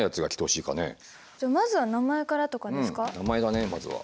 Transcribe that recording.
うん名前だねまずは。